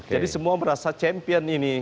jadi semua merasa champion ini